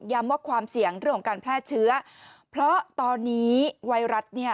ว่าความเสี่ยงเรื่องของการแพร่เชื้อเพราะตอนนี้ไวรัสเนี่ย